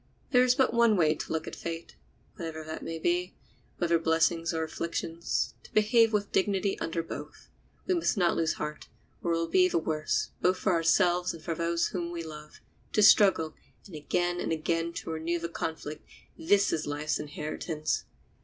There is but one way of looking at fate—whatever that may be, whether blessings or afflictions—to behave with dignity under both. We must not lose heart, or it will be the worse, both for ourselves and for those whom we love. To struggle, and again and again to renew the conflict—this is life's inheritance.